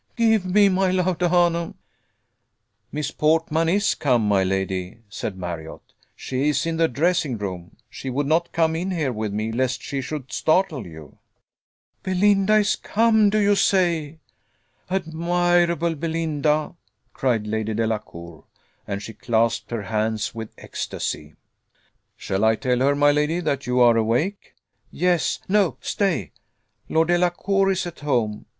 Give me my laudanum." "Miss Portman is come, my lady," said Marriott; "she is in the dressing room: she would not come in here with me, lest she should startle you." "Belinda is come, do you say? Admirable Belinda!" cried Lady Delacour, and she clasped her hands with ecstasy. "Shall I tell her, my lady, that you are awake?" "Yes no stay Lord Delacour is at home.